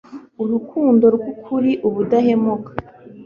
Urukundo RwukuriUbudahemuka